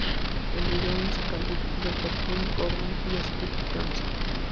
El video musical dirigida por Kim Gordon y Spike Jonze.